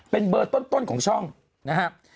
เป็นเบอร์ต้นของช่องนะครับ